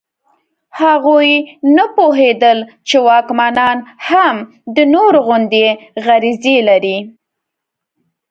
هغوی نه پوهېدل چې واکمنان هم د نورو غوندې غریزې لري.